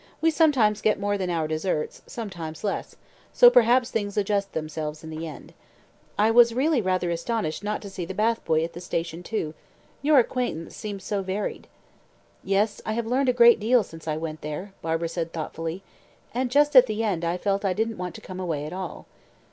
"We sometimes get more than our deserts, sometimes less, so perhaps things adjust themselves in the end. I was really rather astonished not to see the bath boy at the station too your acquaintance seems so varied." "Yes, I have learned a great deal since I went there," Barbara said thoughtfully; "and just at the end I felt I didn't want to come away at all."